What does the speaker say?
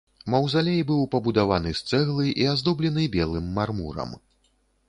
Маўзалей быў пабудаваны з цэглы і аздоблены белым мармурам.